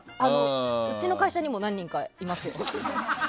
うちの会社にも何人かいますよ。